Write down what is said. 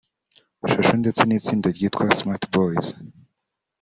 Social ndetse n’itsinda ryitwa Smart Boyz